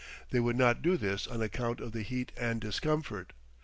They would not do this on account of the heat and discomfort.